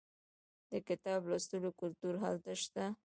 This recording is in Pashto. د کتاب لوستلو کلتور هلته شته.